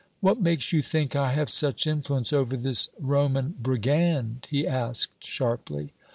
"What makes you think I have such influence over this Roman brigand?" he asked, sharply.